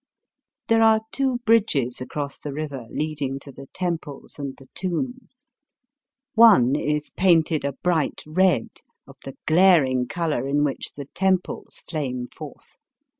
There are two bridges across the river lead^p ing to the temples and the tombs. One is painted a bright red, of the glaring colour in which the temples flame forth.